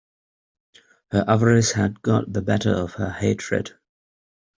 Her avarice had got the better of her hatred.